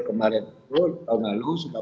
kemarin itu tahun lalu sudah